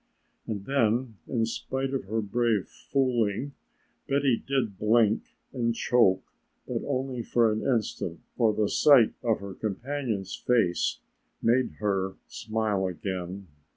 And then in spite of her brave fooling Betty did blink and choke, but only for an instant, for the sight of her companion's face made her smile again.